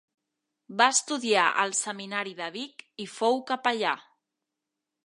Va estudiar al Seminari de Vic i fou capellà.